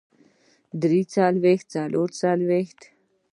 درې څلوېښت څلور څلوېښت